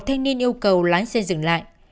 đám thanh niên yêu cầu lái xe dừng lại